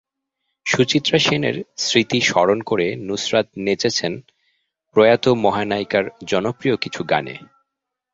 সুচিত্রা সেনের স্মৃতি স্মরণ করে নুসরাত নেচেছেন প্রয়াত মহানায়িকার জনপ্রিয় কিছু গানে।